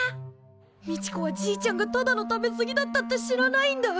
みちこはじいちゃんがただの食べ過ぎだったって知らないんだ。